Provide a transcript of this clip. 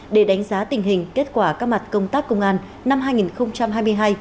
để đánh giá tình hình kết quả các mặt công tác công an năm hai nghìn hai mươi hai